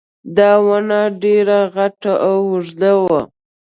دا ونه ډېره غټه او اوږده وه